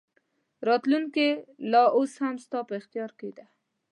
راتلونکې لا اوس هم ستا په اختیار کې ده.